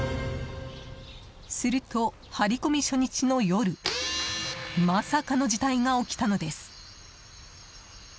すると張り込み初日の夜まさかの事態が起きたのです。